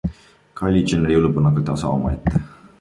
Kylie Jenneri jõulupuu on aga tase omaette.